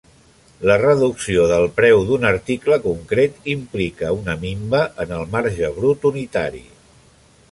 La reducció del preu d'un article concret implica una minva en el marge brut unitari.